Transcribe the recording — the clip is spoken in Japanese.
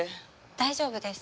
大丈夫です。